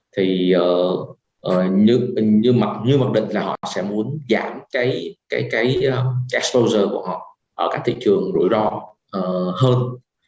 thì như mặc định là họ sẽ muốn giảm cái exposure của họ ở các thị trường rủi ro hơn